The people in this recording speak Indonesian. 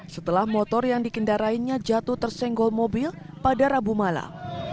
setelah motor yang dikendarainya jatuh tersenggol mobil pada rabu malam